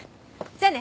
じゃあね。